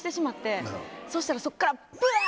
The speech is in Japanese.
そしたらそっからブワ！